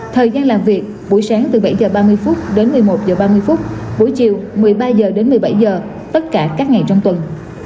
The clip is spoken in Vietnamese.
thời gian làm việc buổi sáng từ bảy h ba mươi đến một mươi một h ba mươi phút buổi chiều một mươi ba h đến một mươi bảy h tất cả các ngày trong tuần